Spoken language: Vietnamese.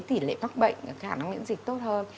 tỷ lệ bắc bệnh khả năng liễn dịch tốt hơn